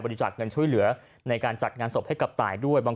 บริจาคเงินช่วยเหลือในการจัดงานศพให้กับตายด้วยบาง